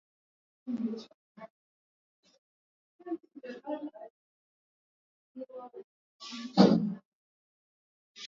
ndo kilichokuwa kinaashiria kuna mambo yalikuwa yanapa